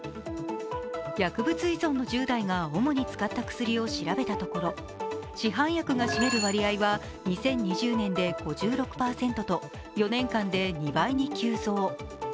薬物依存の１０代が主に使った薬を調べたところ市販薬が占める割合が２０２０年で５６％と４年間で２倍に急増。